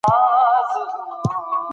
الوتکه د توند باد له امله لږه لړزېدلې وه.